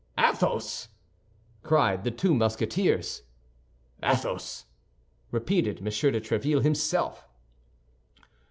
"Athos!" cried the two Musketeers. "Athos!" repeated M. de Tréville himself.